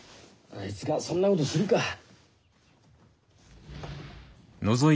あいつがそんなことするか。